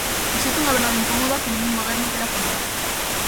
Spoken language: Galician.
Existe unha verdade incómoda que ningún goberno quere afrontar.